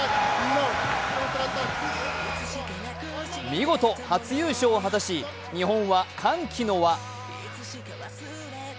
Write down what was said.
見事、初優勝を果たし日本は歓喜の輪！